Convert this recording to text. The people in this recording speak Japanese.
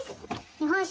日本酒。